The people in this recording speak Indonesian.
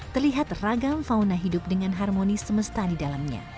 terlihat ragam fauna hidup dengan harmoni semesta di dalamnya